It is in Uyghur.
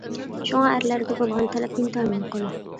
شۇڭا ئەرلەرگە بولغان تەلەپ ئىنتايىن يۇقىرى.